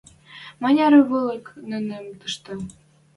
Маняры вольык нӹнӹн тӹштӹ